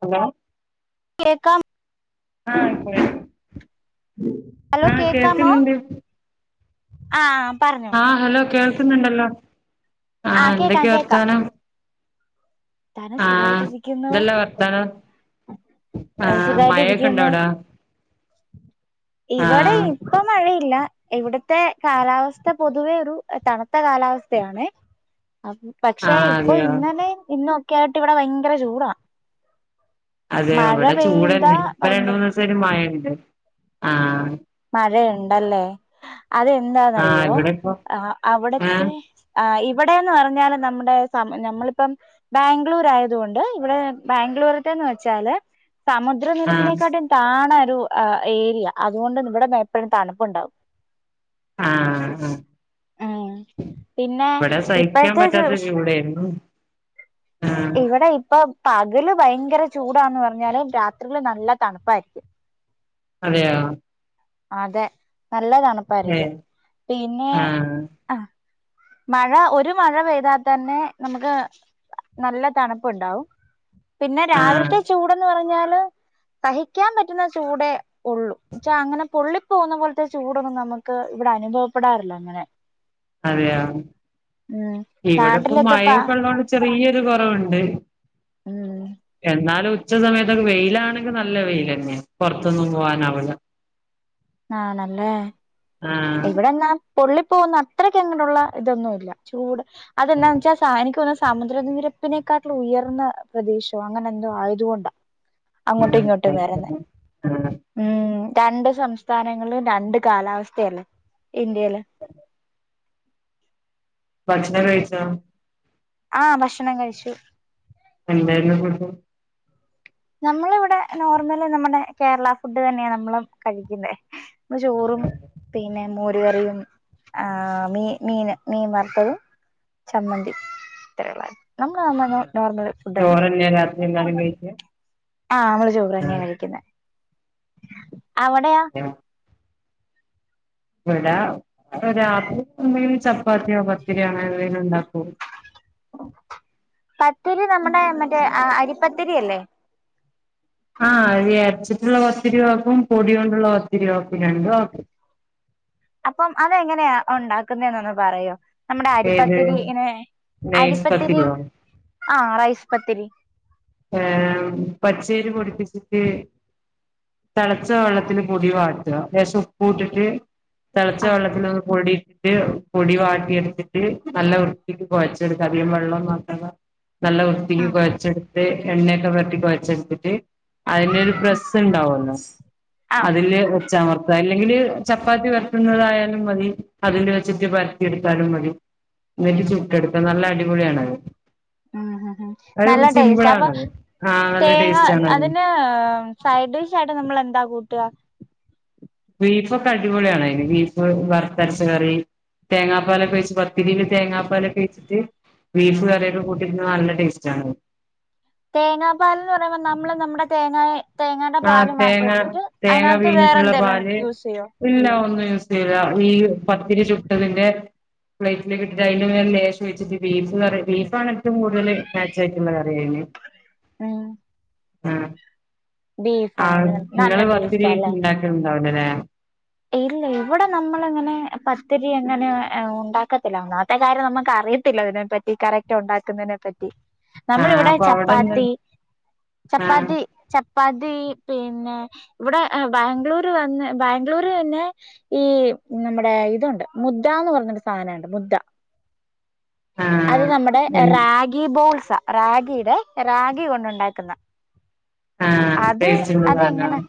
Hello കേക്കാം ആഹ് കേ ഹലോ ആഹ് കേക്കാമോ? കേൾക്കുന്നുണ്ട് ആഹ് പറഞ്ഞോ ആഹ് ഹലോ കേൾ ട്ട്ന്ന് ഇണ്ടെല്ലോ? ആഹ് കേക്കാം എന്തൊക്കെ കേക്കാം വർത്താനം? താനും ആഹ് സുഖായിട്ടിരിക്കുന്നു എന്തെല്ലാം വർത്താനം? ഏഹ്, ആഹ് മഴൊക്കെ ഇണ്ടോ സുഖായിട്ടിരിക്കുന്നു അയുടെ? ഇവെടെ ഇപ്പം മഴ ഇല്ല ഇവ്ട്ത്തെ കാലാവസ്ഥ പൊതുവേ ഒരു തണുത്ത കാലാവസ്ഥയാണ്. പക്ഷെ ആഹ് ഇപ്പൊ അതെയോ ഇന്നലെ ഇന്നും ഒക്കെ ആയിട്ട് ഇവെടെ ഭയങ്കര ചൂടാ അതെയോ മഴ ഇവെടെ ചൂട് പെയ്യുമ്പോ യെന്നെ ഇപ്പ രണ്ട് ഭയങ്കര മൂന്നിസായിട്ട് മഴ ഇണ്ട്. ആഹ് മഴ ഇണ്ട് അല്ലെ? ആഹ് അതെന്താന്നറിയോ ഇവിടെ ഇപ്പൊ അ അവ്ട്ത്തെ ഏഹ് ആഹ് ഈ ഇവിടെന്ന് പറഞ്ഞാല് നമ്മുടെ നമ്മളിപ്പം ബാംഗ്ലൂർ ആയത് കൊണ്ട് ഇവിടെ ബാംഗ്ലൂരുന്ന് വെച്ചാല് ആഹ് സമുദ്രനിരപ്പിനേക്കാട്ടും താണ് [unintelligible] ഏരിയ അതുകൊണ്ട് ഇവിടെ എപ്പഴും തണുപ്പ്ണ്ടാവും ആഹ് ആഹ് പിന്നെ ഇവിടെ സഹിക്കാൻ ഇപ്പോഴത്തെ പറ്റാത്ത ചൂടായിരുന്നു ആഹ് ഇവിടെ ഇപ്പൊ പകല് ഭയങ്കര ചൂടാന്ന് പറഞ്ഞാലും രാത്രിയില് നല്ല തണുപ്പായിരിക്കും. അതെയോ അതെ നല്ല തണുപ്പായിരിക്കും ഏഹ് പിന്നെ ആഹ് ആഹ് മഴ ഒരു മഴ പെയ്താൽ തന്നെ നമുക്ക് നല്ല തണുപ്പുണ്ടാവും. പിന്നെ ആഹ് രാവിലത്തെ ചൂട്ന്ന് പറഞ്ഞാ ല് സഹിക്കാൻ പറ്റുന്ന ചൂടെയൊള്ളു അങ്ങനെ പൊള്ളിപ്പോകുന്ന പോലത്തെ ചൂടൊന്നും നമുക്ക് ഇവിടെ അനുഭവപ്പെടാറില്ല അങ്ങനെ അതെയോ ഉം ഇവിടെപ്പം നാട്ടിലൊക്കെപ്പാ മഴയോക്കെള്ളതോണ്ട് ചെറിയൊരു കുറവുണ്ട് ഉം ഉച്ച സമയത്തൊക്കെ വെയിലാണെങ്കിൽ നല്ല വെയിൽ തന്നെ പുറത്തൊന്നും പോവാനാവില്ല ആണല്ലേ ആഹ് എവിടെന്നാ പൊള്ളിപ്പോകുന്ന അത്രക്ക് അങ്ങടൂള്ള ഇതൊന്നുമില്ലാ ചൂട് അത്എന്നവെച്ച [unintelligible] സമുദ്ര നിരപ്പിനെക്കാട്ടിൽ ഉയർന്ന പ്രദേശം അങ്ങനെ എന്തോ ആയതുകൊണ്ടാ അങ്ങോട്ടും ഇങ്ങോട്ടും വരുന്ന ആഹ് ഉം രണ്ട് സംസ്ഥാനങ്ങളും രണ്ട് കാലാവസ്ഥയല്ലേ ഇന്ത്യയില് ഭക്ഷണം കഴിച്ച ആ ഭക്ഷണം കഴിച്ചു എന്തായിര്ന്നു ഫുഡ് നമ്മളിവിടെ നോർമലി നമ്മുടെ കേരള ഫുഡ് തന്നെയ നമ്മള് കഴിക്കുന്നെ ചോറും പിന്നെ മോരും തടു കറിയും ആ മീ മീന് മീൻ വർത്തതും ചമ്മന്തി ഇത്ര ഉള്ളാരുന്നു നമ്മൾ നോർമൽ ഫുഡ് തന്നെ ചോറന്നെ [unintelligible] ആഹ് നമ്മള് ചോറ് തന്നെയാ കഴിക്കുന്ന അവിടെയാ ഇവിട രാത്രി സമയം ചപ് ചപ്പാത്തിയോ പത്തിരിയോ അങ്ങനെ എന്തേലും ഉണ്ടാക്കും പത്തിരി നമ്മുടെ മറ്റേ അരിപ്പത് ത്തിരിയല്ലേ ആ അരി അരച്ചിട്ടുള്ള പത്തിരിയും ആക്കും പൊടി കൊണ്ടുള്ള പത്തിരിയും ആക്കും രണ്ടും ആക്കും അപ്പം അതെങ്ങനെയ ഉണ്ടാക്കുന്ന എന്നൊന്ന് പറയോ നമ്മുടെ ഏത് അരിപ്പത്തിരി ഇങ്ങനെ നൈസ് അരിപ്പത്തിരി പത്തിരിയോ ആ റൈസ് പത്തിരി ഏ പച്ചരി പൊടിപ്പിച്ചിട്ട് തിളച്ച വെള്ളത്തിൽ പൊടി വാട്ടുക ലേശം ഉപ്പും ഇട്ടിട്ട് തിളച്ച ആഹ് വെള്ളത്തിലൊന്നു പൊടി എന്നിട്ട് പൊടി വാട്ടി എടുത്തിട്ട് നല്ല വൃത്തിക്ക് കുഴച്ചെടുക്ക അധികം വെള്ളം ഒന്നും ആക്കാതെ നല്ല വൃത്തിക്ക് ആഹ് കുഴച്ചെടുത്ത എണ്ണെക്ക വഴറ്റി കൊഴച്ചടുത്തിട്ട് അതിന്റെരു പ്രസ്സ് ഉണ്ടാവല്ലോ ആഹ് അതില് വെച്ചമർത്തുക അല്ലെങ്കില് ചപ്പാത്തി വരത്തുന്നതായാലും മതി അതില് വെച്ചിട്ട് പരത്തി എടുത്താലും മതി എന്നിട്ട് ചുട്ടടുക്ക നല്ല അടിപൊളിയാണത് ഉം ഉ ഉ അത് നല്ല ടോസ്‌റ്റാ ആ അപ്പോ സിമ്പിളാണത് ആഹ് നല്ല തേങ്ങ ടേസ്റ്റ് ആണത് അതിന് സൈഡിഷായിട്ട് നമ്മൾ എന്താ കൂട്ടാ ബീഫെക്കെ അടിപൊളിയാണ് അതിന് ബീഫ് വറുത്തരച്ച കറി തേങ്ങാപ്പാലൊക്കെ ഒഴിച്ച് പത്തിരിൽ തേങ്ങാപ്പാലൊക്കെ ഒഴിച്ചിട്ട് ബീഫ് കറിയൊക്കെ കൂട്ടി തിന്നാ നല്ല ടേസ്റ്റ് ആണ് തേങ്ങാ പാലന്ന് പറയുമ്പോ നമ്മള് നമ്മുടെ തേങ്ങയെ ആ തേങ്ങ തേങ്ങ വേറെ വീഞ്ഞിട്ടുള്ള എന്തേലും പാല് യൂസ് ചെയ്യോ ഇല്ല ഒന്നും യൂസ് ചെയൂല ഈ പത്തിരി ചുട്ടെ ഇതിന്റെ പ്ലേറ്റിലേക്ക് ഇട്ടിട്ട് അതിൻ്റെ മേല് ലേശം വെച്ചിട്ട് ബീ ബീഫാണ് ഏറ്റവും കൂടുതൽ മാച്ച് ആയിട്ടുള്ളത് കറിയതിന് ഉം ആ ആ ബീഫാണ് നല്ല നിങ്ങള് ടേസ്റ്റ് പത്തിരി അല്ലേ ഉണ്ടാക്ക [unintelligible] നെ ഇല്ല ഇവിടെ നമ്മളങ്ങനെ പത്തിരി അങ്ങനെ ഉണ്ടാക്കത്തില്ല ഒന്നാത്തെ കാര്യം നമുക്ക് അറിയത്തില്ല ഇതിനെ പറ്റി കറക്റ്റ് ഉണ്ടാക്കുന്നതിനെ പറ്റി ആഹ് നമ്മളിവിടെ അപ്പൊ അവിടെന്താ ചപ്പാത്തി ആഹ് ചപ്പാത്തി ച പതി പിന്നെ ഇവിടെ ബാംഗ്ലൂർ വന്ന് ബാംഗ ര് പിന്നെ ഈ നമ്മുടെ ഇതുണ്ട് മുദ്ദന്ന് പറഞ്ഞരു സാധനുണ്ട് മുദ്ദ അത് ആഹ് നമ്മുടെ റാഗി ബോൾസ് റാഗിയുടെ റാഗി കൊണ്ടുണ്ടാക്കുന്ന ആ അത് അതെങ്ങനെ [unintelligible]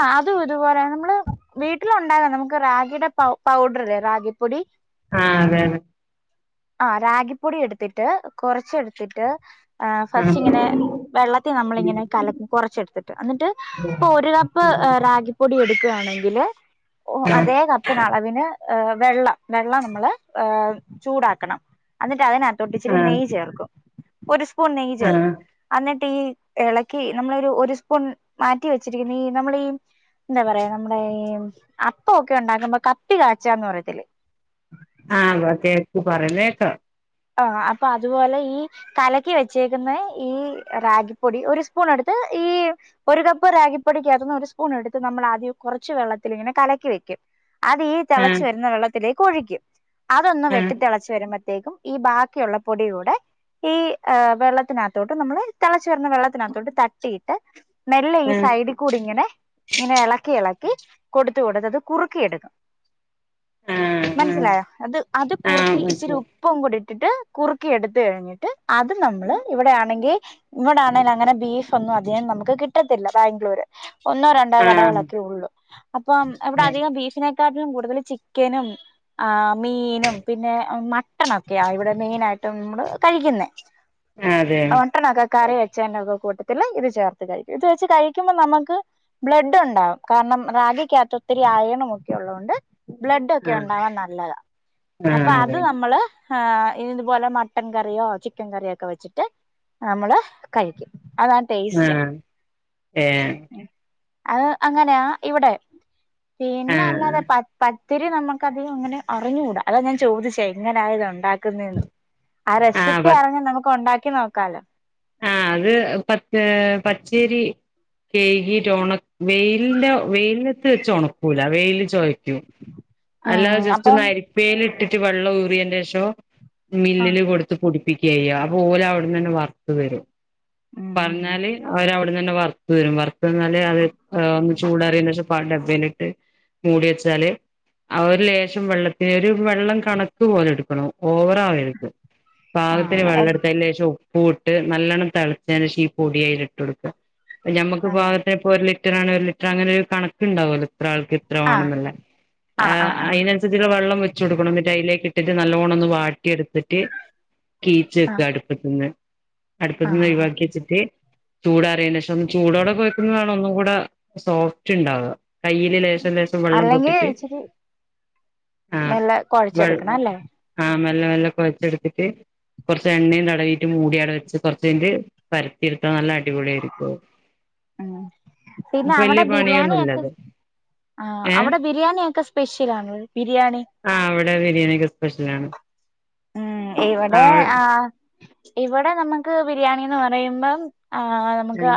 ആ അതും ഇതുപോലെ നമ്മള് വീട്ടിലുണ്ടാകാം നമുക്ക് റാഗിയുടെ പൗഡർ അല്ലേ റാഗിപ്പൊടി ആ അതെയതേ ആ റാഗിപ്പൊടി എടുത്തിട്ട് കുറച്ച് എടുത്തിട്ട് ഫസ്റ്റ് അതെ ഇങ്ങനെ വെള്ളത്തി നമ്മളിങ്ങനെ കലക്കും കുറച്ചെടുത്തിട്ട് എന്നിട്ട് ഇപ്പൊ ഒരു കപ്പ് റാഗിപ്പൊടി എടു [unintelligible] ല്ല ഓ ആ അതേ ആ കപ്പിനളവിന് ഏ വെള്ളം വെള്ളം നമ്മൾ ഏ ചൂടാക്കണം എന്നിട്ട് അതിന തൊട്ടിച്ചിരി ആ നെയ്യ് ചേർക്കും ഒരു ഉണ്ടെങ്കി ആ ചേർക്കും എന്നിട്ട് ഇ ഇളക്കി നമ്മളൊരു ഒരു സ്പൂൺ മാറ്റി വെച്ചിരിക്കുന്ന ഇ നമ്മളീ എന്താ പറയാ നമ്മ ഏ അപ്പൊക്കെ ഉണ്ടാക്കുമ്പോ കപ്പി കാച്ചന്ന് പറയത്തില്ലേ ആ കേക്കു പറന്നേ കേക്കാം ആഹ് അപ്പൊ അതുപോലെ ഈ കലക്കി വെച്ചേക്കുന്ന ഈ റാഗിപ്പൊടി ഒരു സ്പൂൺ എടുത്ത് ഈ ഒരു കപ്പ് റാഗിപ്പൊടിക്കത്തുന്ന ഒരു സ്പൂൺ എടുത്ത് നമ്മൾ ആദ്യം കുറച്ച് വെള്ളത്തിങ്ങനെ കലക്കി വെക്കും അത് ഈ ആ തിളച്ചു വരുന്ന വെള്ളത്തില് കോഴിക്കും അതൊന്ന് ആ വെട്ടിത്തിതിളച്ചു വരുമ്പ വേഗം ഈ ബാക്കിയുള്ള പൊടിയൂടെ, ഈ വെള്ളത്തിനാത്തോട്ട് നമ്മള് തിളച്ചു വരുന്ന വെള്ളത്തിനാത്തോട്ട് തട്ടിയിട്ട് മെല്ലെ ഈ ആ സൈഡി കൂടിങ്ങനെ ഇങ്ങനെ എളക്കി എള [unintelligible] കൊടുത്ത കൊടുത്തത് കുറുക്കി എടുക്കും. ആ ആ മനസ്സിലായോ അത് അത് ആ കുറുക്കി ഇച്ചിരി ഉ മനസ്സിലായി കൂടി ഇട്ടിട്ട് കുറുക്കി എടുത്ത കഴിഞ്ഞിട്ട് അത് നമ്മള് ഇവിടെ ആണെങ്കിൽ ഇവിടെ ആണെ അങ്ങനെ ബീഫ കൊന്നും അധി നമക്ക് കി റ്റത്തില്ല ബാംഗ്ലൂര് ഒന്നോ രണ്ടോ ആ കടകളൊക്കെ ഉള്ളൂ അപ്പം ഇവടെ ഏ, അധികം ബീഫിനെ ത്താട്ട്ലും കൂടുതല് ചിക്കനും ആഹ് മീനും പിന്നെ മട്ട് ട്ടനൊക്ക‌യാ ഇവിടെ മെയിനായി മ്മള് കഴിക്കുന്നെ അതെ മട്ടനൊക്കെ കറി വെച്ചെന്റൊക്കെ കൂട്ട് ത്തില് ഇത് ചേർത്ത് കഴിക്കും, ഇത് വെച്ച് കഴിക്കുമ്പോ നമ്മക്ക് ബ്ലഡ്ണ്ടാവും, കാരണം റാഗിക്കാത്തൊത്തിരി അയണുമൊക്കെള്ളോൺ ണ്ട് ആ ബ്ലഡൊക്കയൊണ്ടാവാൻ നല്ലതാ ആ അപ്പൊ അത് അതെ നമ്മള് ആഹ് ഇതുപോലെ മട്ടൻ കറിയോ ചിക്കൻ കറിയോക്കെ വെച്ചിട്ട് നമ്മള് കഴിക്കും. അതാണ് ടേസ്റ്റ് ആഹ് ഏഹ്? അത് അങ്ങനാ ഇവിടെ. ആ പീന്നല്ലാതെ പട് പട് ത്തിരി നമക്കധികിങ്ങനെ അറിഞ്ഞൂടാ അതാ ഞാൻ ചോദിച്ചേ എങ്ങനാ ഇതാ [unintelligible] [unintelligible] ആ റെസിപ്പിയാണെങ്കി നമക്ക് ഉണ്ടാക്കി ക്കിനോക്കാലോ. ആഹ് അത് പച്ചേ പച്ചേരി കെഴികിട്ട് ഒണക് വെയിൽന്റെ വെയിലെത്ത് ച്ചൊണക്കൂല വെയില് ചൊയി ക്യും ഉം അല്ലാതെ ജെസ്റ്റൊന്ന് അപ്പം അരിപ്പേൽ ഇട്ടി വെള്ളം ഊറിയേന്റെ ഷം ആ മില്ലില് കൊടുത്ത് പൊടി പ്പിക്കേയ്യ ഓലവിട്ന്നന്നെ വർ വരും. ഉം പർഞ്ഞാല് അവര വിട് പ്പത്തന്നെ വറത്തരും വറത്തന്നാല് അത് ഒന്ന് ചൂടാറിന്റെഷം പാട്ട് ഡെബെലിട്ട് മൂടിവെച്ചാല് ആ ഒരു ലേശം വെള്ളത്തി ഒരു വെള്ളം കണക്ക് പോലെയെടുക്കണം ഓവറാവരുത്. ആ പാകത്തിന് വെള്ളെടുത്ത് അയിലേശം ഉപ് ഫൂട്ട് ട്ട് നല്ലോണം തെളച്ചതിന്‌ ശേഷം ഈ പൊടി അതിലിട്ട് കൊടുക്കുക ഞമ്മക്ക് അങ്ങനെ പാകത്തെപ്പൊരിൽ ഒരു ലിറ്റർ ആണേൽ ഒരു ലിറ്റർ അങ്ങനെ ഒരു കണക്കുണ്ടാവും അത് ഇത്ര ആൾക്ക് ഇത്ര ആ വേണോന്നുള്ളെ ആ അയിനനുസരിച്ചുള്ള വെള്ളം വെച്ച് കൊടുക്കണം എന്നിട്ട് അയിലേക്ക് ട്ടിട്ട് നല്ലോണം ഒന്ന് വാ ട്ടിയെടുത്തിട്ട് കീച്ച വെക്കുക ആ അടുപ്പത്തന്ന്. ആ അടുപ്പത്തന്ന് ഒഴുവാക്കി വച്ചിട്ട് ചൂടാറിയേന് ശേഷം ചൂടോടെ കൊഴക്കുന്നതാണ് ഒന്നും കൂടെ സോഫ്റ്റ്ണ്ടാവുക. കയ്യില് ലേശം ലേശം വെള്ളം അല്ലെങ്കിൽ തൊട്ടിട്ട് ഇച്ചിരി ആഹാ മെല്ലെ വെൾ കുഴച്ചെടുക്കണം അല്ലേ ആ [unintelligible] മെല്ലെ മെല്ല കൊഴച്ചെടുത്തിട്ട് കൊറച്ച് എണ്ണേയും തടവീട്ട് മൂടിയവടെ വെ ച്ച് കൊറച്ച് കയിഞ്ഞിട്ട് പരത്തിയെടുത്താ നല്ല അടിപൊളിയായിരിക്കും അത്. ഉം പിന്നാ അവടെ പണിയൊന്നുമില്ല ബിരിയാണിയൊക്കെ അത് ആ ഏഹ് അവിടെ ബിരിയാണിയൊക്കെ സ്പെഷ്യലാണോ ബിരിയാണി ആഹ് അവിടെ ബിരിയാണിയൊക്കെ സ്പെഷ്യലാണ് ഉം ഇവടെ ആഹ് ആ ഇവിടെ നമ്മക്ക് ബിരിയാണീന്ന് പറയുമ്പം ആ നമ്മക്ക്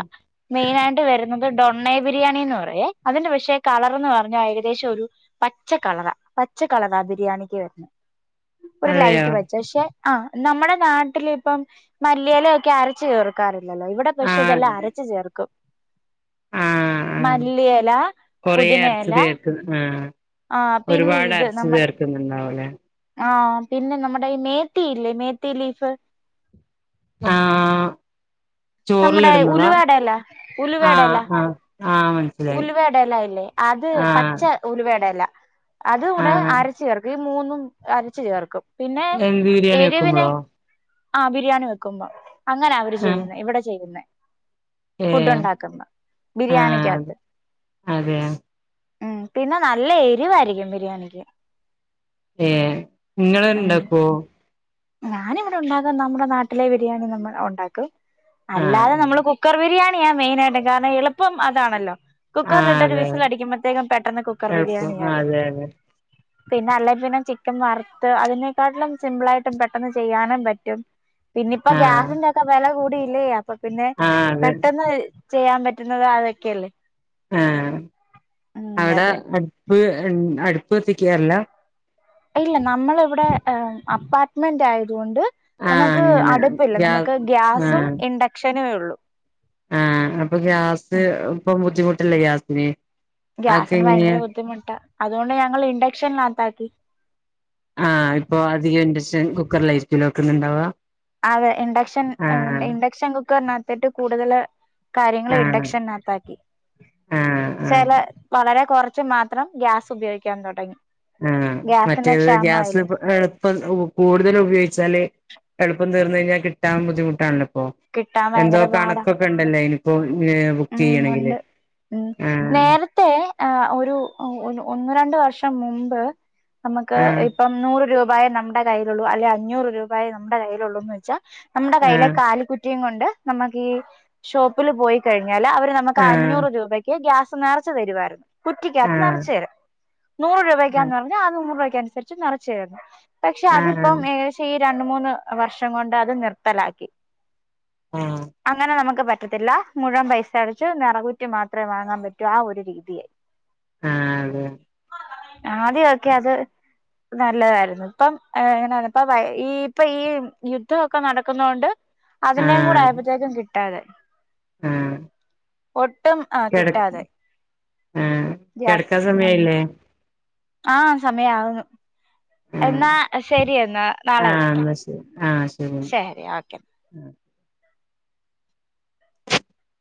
മെയിനായി ട്ട് വരുന്നത് ഡൊണ്ണെ ബിരിയാണി എന്ന് പറയുവേ അതിന്റെ പക്ഷേ കളറെന്ന് പറഞ്ഞാ ഏകദേശം ഒരു പച്ച കളറാ പച്ച കളറാ ബിരിയാണിക്ക് വരുന്നേ ഒരു അതെയോ ലൈറ്റ് വെച്ചെഷേ ആ നമ്മടെ നാട്ടിലിപ്പം മല്ലിയിലയൊക്കെ അരച്ച് ചേർക്കാറി റില്ലല്ലോ ഇവടെ പക്ഷെ ഇതെല്ലാം ആഹ് അരച്ച് ചേർക്കും. ആഹ് ആ മല്ലിയെല കൊറേ അരച്ചു പുതിനയെല ചേർക്കുന്ന ആ ആഹ് പിന്നെ ഒരുപാട് ഇത് അരച്ചു നമ്മടെ തീർക്കുന്നുണ്ടാവുംലെ ആഹ് പിന്നെ നമ്മുടെ ഈ മേത്തിയില്ലേ മേത്തി ലീഫ് ആ ആ നമ്മുടെ ഉലുവേടെല ആഹ് ഉലുവേടല ആഹ് ആഹ് മനസ്സിലായി ഉലുവേടല ഇല്ലേ അത് ആഹ് പച്ച ഉലുവേടല അതുടെ ആഹ് ആരച്ച് ചേർക്കും മൂന്നും അരച്ച് ചേർക്കും. പിന്നെ എന്ത് ബിരിയാണി എരിവിന് വെക്കുമ്പളോ? ആ ബിരിയാണി വെക്കുമ്പം. അങ്ങനാവര് ആഹ് ചെയ്യുന്നെ ഇവടെ ചെയുന്നെ. ഫുഡ് ഏഹ് ഉണ്ടാക്കുമ്പം ആഹ് ബിരിയാണിക്ക്യാത്ത്. അതെ ഉം പിന്നാ നല്ല എരിവായിരിക്കും ബിരിയാണിക്ക് ഏ നിങ്ങള് ഉം ഒണ്ടാക്കുവോ ഞാനിവിടെ ഒണ്ടാക്കുന്ന നമ്മടെ നാട്ടിലെ ബിരിയാണി നമ്മള ഒണ്ടാക്കും അല്ലാതെ ആഹ് നമ്മള് കുക്കർ ബിരിയാണി ഞാൻ മെയിനായിയിട്ട് കാരണം എള്പ്പം അതാണല്ലോ ആഹ് കുക്കറിലിട്ടൊരു അതെ വിസിടിക്കുമ്പോത്തേക്കും പെട്ടെന്ന് കുക്കർ എളുപ്പം ബിരിയാണിയാകും അതെ അതെ പിന്നാ അല്ലെ പിന്നെ ചിക്കൻ വറുത്ത് അതിനെക്കാട്ടിലും സിമ്പിള് ആയിട്ട് പെട്ടെന്ന് ചെയ്യാനും പറ്റും പിന്നിപ്പം ആഹ് ഗ്യാസിന്റെ ഒക്കെ വെല കൂട്ടി [unintelligible] അപ്പം പിന്നെ ആഹ് അതെ പെട്ടെന്ന് ചെയ്യാൻ പറ്റുന്നത് അതൊക്കെയല്ലേ ആം ഉം അവിടെ അതെ അടുപ്പ് ഉൻ അടുപ്പ് കത്തിക്കാറില്ല ഇല്ല നമ്മള് ഇവിടെ അപ്പാ മെന്റ് ആയതുകൊണ്ട് ആഹ് നമുക്ക് അങ്ങനെ അടുപ്പില്ല ഗ്യാ നമുക്ക് ഗ്യാസും ആഹ് ഇൻഡക്ഷനും ഉള്ളു ആഹ് അപ്പൊ ഗ്യാസ് ഇപ്പം ബുദ്ധിമു [unintelligible] ഗ്യാസിന് അതൊക്കെ ഗ്യാസിന് എങ്ങനെയാ ഭയങ്കര ബുദ്ധിമുട്ടാ അതുകൊണ്ട് ഞങ്ങൾ ഇൻഡക്ഷൻ ലത്താക്കി ആഹ് ഇപ്പൊ അധികം ഇൻഡക്ഷൻ കുക്കറിലായിരിക്കലോക്കുന്നുണ്ടാവുക അതെ ഇൻഡക്ഷൻ ഇൻഡക്ഷൻ കുക്കറിന ഏറ്റവും കൂടുതൽ കാര്യങ്ങൾ ആഹ് ഇൻഡക്ഷനകത്താക്കി ആഹ് ആഹ് ചില വളരെ കുറച്ച് മാത്രം ഗ്യാസ് ഉപയോഗിക്കാൻ തുടങ്ങി ആഹ് ഗ്യാസിന് മറ്റേത് ഗ്യാസ് ക്ഷാമായില്ലേ എളുപ്പം കൂടുതൽ ഉപയോഗിച്ചാല് എളുപ്പം തീർന്ന് കഴിഞ്ഞാ കിട്ടാൻ ബുദ്ധിമുട്ടാണല്ലോ കിട്ടാൻ [unintelligible] എന്തോ ഭയങ്കര പാടാ കണക്കൊക്കെ ഉണ്ടല്ലോ അയിന് ഏ ഉം ബുക്കെയ്യണെങ്കില് ഉണ്ട് ആ ആഹ് ഒരു ഒന്ന് രണ്ട് വർഷം മുമ്പ് നമുക്ക് ആഹ് ഇപ്പം നൂറ് രൂപ രൂപായേ നമ്മുടെ കയ്യിലുള്ളൂ അല്ലെ അഞ്ഞൂറുരൂപായേ നമ്മുടെ കയ്യിലുള്ളൂന്ന് വെച്ചാൽ നമ്മുടെ കൈയ്യിലെ ആഹ് കാലിക്കുറ്റി കൊണ്ട് നമുക്കീ ഷോപ്പിൽ പോയി [unintelligible] അവര് നമുക്ക് അഞ്ഞൂറ് രൂപയ്ക്ക് ഗ്യാ നെറച്ച് തരുവാരുന്നു ആഹ് കുറ്റിക്കകത്ത് നിറച്ച് ആഹ് തരും നൂറ് രൂപക്കാന്ന് പറഞ്ഞ ആ നൂറ് രൂപ [unintelligible] നുസരിച്ച് നിറച്ചരുന്നു പക്ഷെ ആഹ് അതിപ്പം ആഹ് ഏകദേശം രണ്ട് മൂന്ന് വർഷം കൊണ്ട് അത് നിർത്തലാക്കി ആഹ് അങ്ങനെ നമുക്ക് പ [unintelligible] ത്തില്ല മുഴൻ പൈസ അടച്ച് നിറകുറ്റി മാത്രേ വാങ്ങാൻ പറ്റൂ ആ ഒരു രീതിയായി ആഹ് അതെ ആദ്യൊക്കെ അത് നല്ലതായിരുന്നു ഇപ്പം എങ്ങനെയാണ് ഇപ്പ ഈ ഇപ്പൊ ഈ യുദ്ധമൊക്കെ നടക്കുന്ന കൊണ്ട്- അതിനേയും കൂടെ അയപത്തേക്കും [inaudible] കിട്ടും അതെ ഉം ഒട്ട് കിടക്ക് ഉം ഗ്യാസ് കിടക്കാ ഉം സമയയില്ലേ ആ സമയകുന്നു ആഹ് എന്നാ ശരി എന്നാ നാളെ വിളിക്കാം ആ ശരി